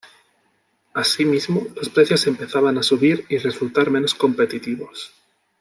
Así mismo, los precios empezaban a subir y resultar menos competitivos.